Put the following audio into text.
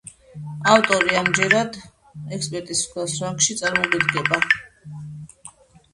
ავტორი ამჯერად ექსპერტის მსგავს რანგში წარმოგვიდგება.